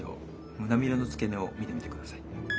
胸びれの付け根を見てみてください。